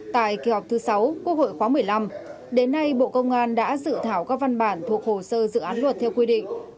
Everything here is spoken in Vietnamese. tại kỳ họp thứ sáu quốc hội khóa một mươi năm đến nay bộ công an đã dự thảo các văn bản thuộc hồ sơ dự án luật theo quy định